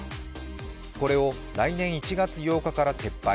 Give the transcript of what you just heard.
これを来年１月８日から撤廃。